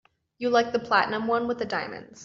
You liked the platinum one with the diamonds.